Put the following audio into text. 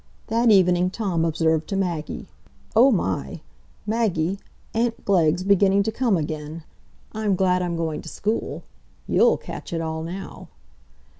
That evening Tom observed to Maggie: "Oh my! Maggie, aunt Glegg's beginning to come again; I'm glad I'm going to school. You'll catch it all now!"